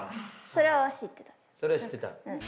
それは知ってた。